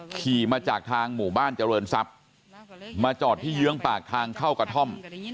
ขี่มาจากทางหมู่บ้านเจริญทรัพย์มาจอดที่เยื้องปากทางเข้ากระท่อม